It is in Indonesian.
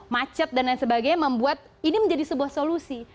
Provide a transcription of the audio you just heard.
macet dan lain sebagainya membuat ini menjadi sebuah solusi